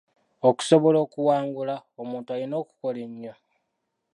Okusobola okuwangula, omuntu alina kukola ennyo.